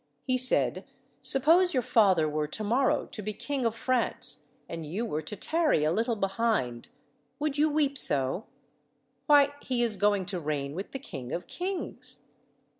He said, "Suppose your father were to morrow to be King of France, and you were to tarry a little behind, would you weep so? Why, he is going to reign with the King of kings."